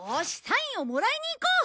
サインをもらいに行こう！